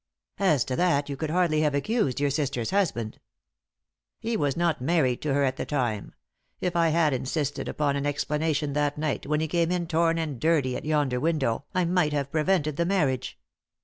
"As to that, you could hardly have accused your sister's husband." "He was not married to her at the time. If I had insisted upon an explanation that night when he came in torn and dirty at yonder window I might have prevented the marriage.